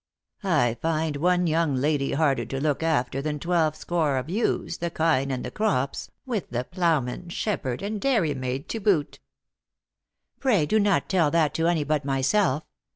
I find one young lady harder to look after than twelve score of ewes, the kine, and the crops, with the ploughmen, shepherd, and dairy maid to boot." " Pray do not tell that to any but myself.